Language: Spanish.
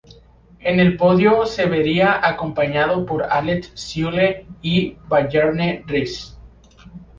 En el podio se vería acompañado por Alex Zülle y Bjarne Riis.